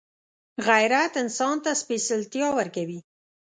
غیرت انسان ته سپېڅلتیا ورکوي